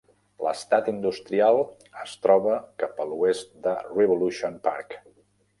L'estat industrial es troba cap a l'oest de Revolution Park.